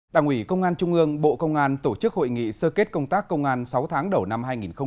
đảng ủy công an trung ương bộ công an tổ chức hội nghị sơ kết công tác công an sáu tháng đầu năm hai nghìn hai mươi ba